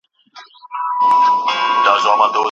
کتاب مو یو دی لاري سل ګوني